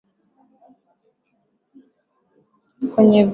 Kwenye vita kali.